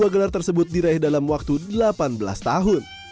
dua gelar tersebut diraih dalam waktu delapan belas tahun